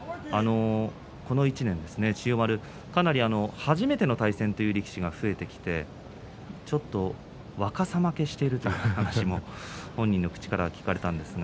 この１年、千代丸は初めての対戦という力士が増えてきて若さ負けしているという話も本人の口から聞かれました。